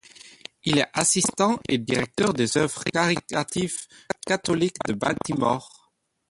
Il est assistant et directeur des œuvres charitatives catholiques de Baltimore.